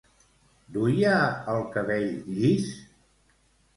Duia el cabell llis?